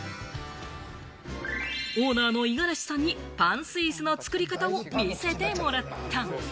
オーナーの五十嵐さんにパンスイスの作り方を見せてもらった。